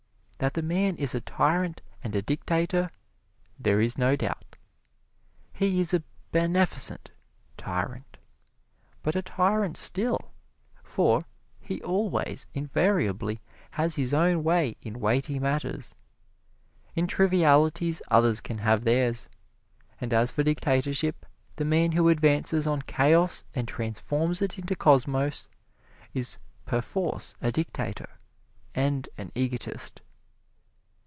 That the man is a tyrant and a dictator there is no doubt. He is a beneficent tyrant, but a tyrant still, for he always, invariably, has his own way in weighty matters in trivialities others can have theirs. And as for dictatorship, the man who advances on chaos and transforms it into cosmos is perforce a dictator and an egotist.